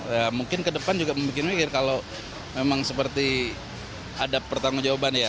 ya mungkin ke depan juga memikir mikir kalau memang seperti ada pertanggung jawaban ya